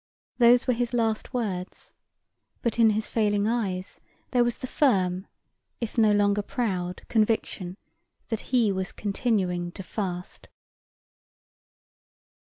Those were his last words, but in his failing eyes there was the firm, if no longer proud, conviction that he was continuing to fast.